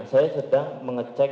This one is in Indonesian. saya sedang mengecek